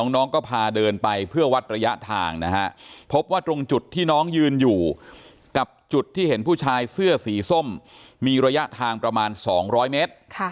น้องก็พาเดินไปเพื่อวัดระยะทางนะฮะพบว่าตรงจุดที่น้องยืนอยู่กับจุดที่เห็นผู้ชายเสื้อสีส้มมีระยะทางประมาณ๒๐๐เมตร